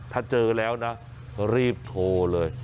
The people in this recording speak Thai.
ถ้าเจอแล้วนะรีบโทรเลย